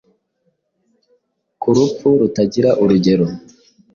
Ku rupfu rutagira urugero.